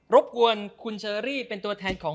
บกวนคุณเชอรี่เป็นตัวแทนของ